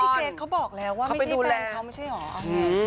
พี่เกรชเขาบอกแล้วว่าไม่ใช่แฟนเขาไม่ใช่เหรอ